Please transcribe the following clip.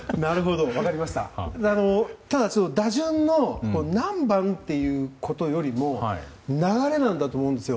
ただ、打順の何番っていうことよりも流れなんだと思うんですよ。